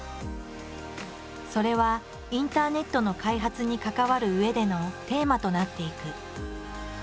それはインターネットの開発に関わるうえでのテーマとなっていく。